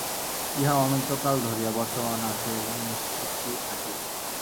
ইহা অনন্তকাল ধরিয়া বর্তমান আছে এবং নিশ্চিতই থাকিবে।